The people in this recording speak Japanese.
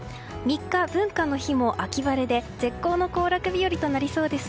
３日、文化の日も秋晴れで絶好の行楽日和となりそうです。